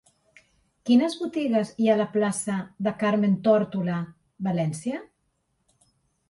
Quines botigues hi ha a la plaça de Carmen Tórtola Valencia?